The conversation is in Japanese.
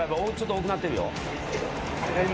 多くなってるよ。